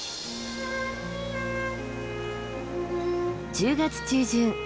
１０月中旬。